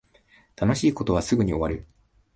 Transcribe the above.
楽しい事はすぐに終わる